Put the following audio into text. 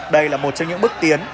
đây là một trong những bước tiến